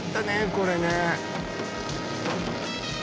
これね